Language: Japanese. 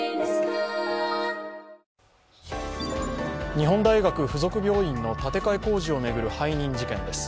日本大学附属病院の建て替え工事を巡る背任事件です。